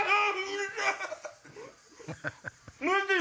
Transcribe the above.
待てよ！